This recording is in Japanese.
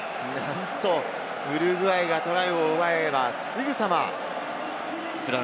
なんと、ウルグアイがトライを奪えば、すぐさま。